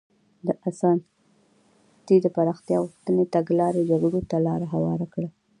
د اسانتي د پراختیا غوښتنې تګلارې جګړو ته لار هواره کړه.